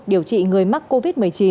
điều trị người mắc covid một mươi chín